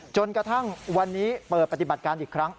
จนกระทั่งวันนี้เปิดปฏิบัติการอีกครั้ง